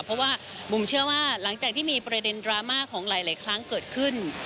เพราะว่าบุ๋มเชื่อว่าหลังจากที่มีประเด็นดราม่าของหลายครั้งเกิดขึ้น